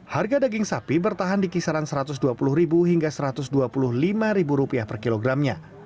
harga daging sapi bertahan di kisaran rp satu ratus dua puluh hingga rp satu ratus dua puluh lima per kilogramnya